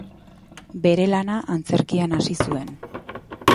Bere lana antzerkian hasi zuen.